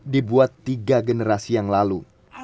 dibuat tiga generasi yang lalu